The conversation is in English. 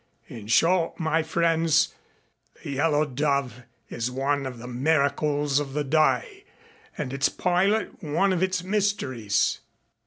In short, my friends, the Yellow Dove is one of the miracles of the day and its pilot one of its mysteries."